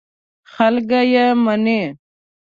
خلک یې مني.